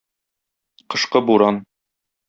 Кышкы буран...